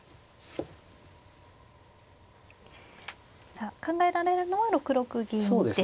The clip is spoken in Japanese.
さあ考えられるのは６六銀ですか。